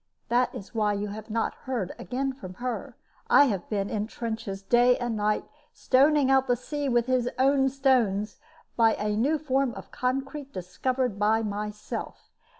This is why you have not heard again from her. I have been in the trenches day and night, stoning out the sea with his own stones, by a new form of concrete discovered by myself.